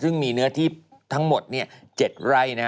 ซึ่งมีเนื้อที่ทั้งหมด๗ไร่